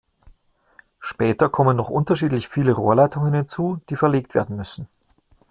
Später kommen noch unterschiedlich viele Rohrleitungen hinzu, die verlegt werden müssen.